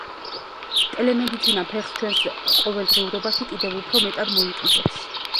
ტელემედიცინა ფეხს ჩვენს ყოველდღიურობაში კიდევ უფრო მეტად მოიკიდებს.